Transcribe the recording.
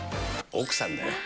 奥さんだよ。